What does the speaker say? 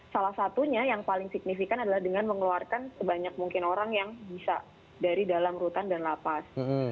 salah satunya yang paling signifikan adalah dengan mengeluarkan sebanyak mungkin orang yang bisa dari dalam rutan dan lapas